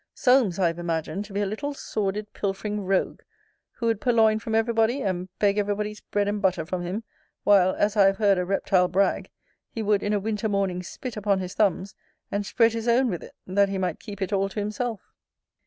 Solmes I have imagined to be a little sordid, pilfering rogue, who would purloin from every body, and beg every body's bread and butter from him; while, as I have heard a reptile brag, he would in a winter morning spit upon his thumbs, and spread his own with it, that he might keep it all to himself.